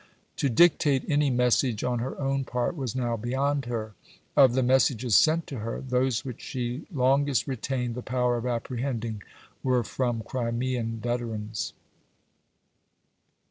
To dictate any message on her own part was now beyond her. Of the messages sent to her, those which she longest retained the power of apprehending were from Crimean veterans.